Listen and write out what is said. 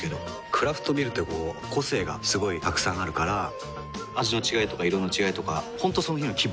クラフトビールってこう個性がすごいたくさんあるから味の違いとか色の違いとか本当その日の気分。